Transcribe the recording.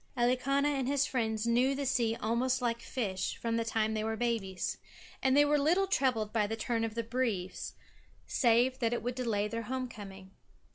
Elikana and his friends knew the sea almost like fish, from the time they were babies. And they were little troubled by the turn of the breeze, save that it would delay their homecoming.